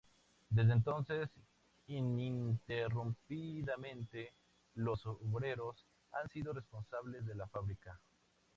Desde entonces, ininterrumpidamente, los obreros han sido responsables de la fábrica.